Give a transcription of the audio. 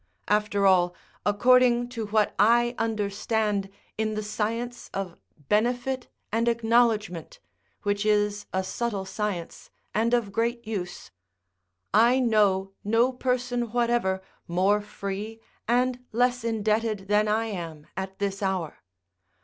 After all, according to what I understand in the science of benefit and acknowledgment, which is a subtle science, and of great use, I know no person whatever more free and less indebted than I am at this hour.